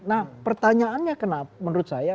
nah pertanyaannya menurut saya